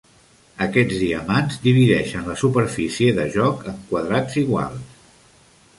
Aquests diamants divideixen la superfície de joc en quadrats iguals.